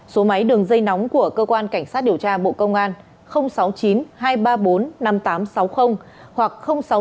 số máy đường dây nóng của cơ quan cảnh sát điều tra bộ công an sáu mươi chín hai trăm ba mươi bốn năm nghìn tám trăm sáu mươi hoặc sáu mươi chín hai trăm ba mươi hai một nghìn sáu trăm sáu mươi